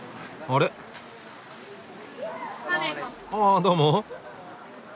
あどうも。